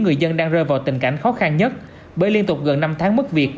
người dân đang rơi vào tình cảnh khó khăn nhất bởi liên tục gần năm tháng mất việc